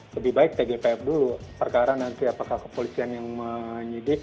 lebih baik tgpf dulu perkara nanti apakah kepolisian yang menyidik